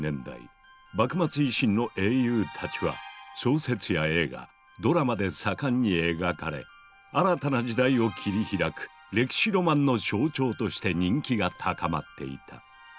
幕末維新の英雄たちは小説や映画ドラマで盛んに描かれ新たな時代を切り開く歴史ロマンの象徴として人気が高まっていた。